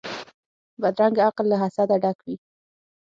بدرنګه عقل له حسده ډک وي